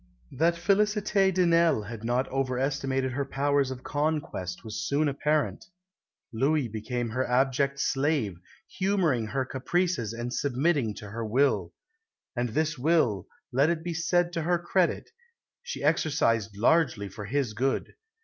That Félicité de Nesle had not over estimated her powers of conquest was soon apparent. Louis became her abject slave, humouring her caprices and submitting to her will. And this will, let it be said to her credit, she exercised largely for his good.